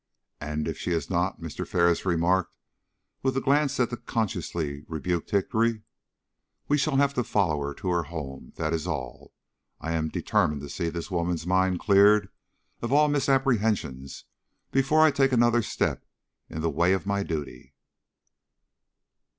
"And if she is not," Mr. Ferris remarked, with a glance at the consciously rebuked Hickory, "we shall have to follow her to her home, that is all. I am determined to see this woman's mind cleared of all misapprehensions before I take another step in the way of my duty."